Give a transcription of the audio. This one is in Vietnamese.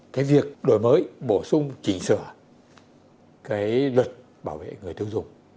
cái việc đổi mới bổ sung chỉnh sửa cái luật bảo vệ người tiêu dùng